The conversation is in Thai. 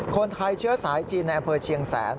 คนไทยเชื้อสายจีนในอำเภอเชียงแสน